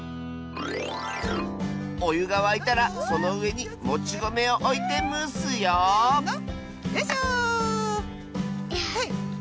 おゆがわいたらそのうえにもちごめをおいてむすよよいしょ。